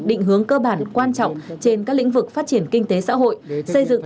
định hướng cơ bản quan trọng trên các lĩnh vực phát triển kinh tế xã hội xây dựng